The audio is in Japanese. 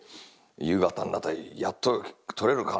夕方になったら「やっと撮れるかな？」と。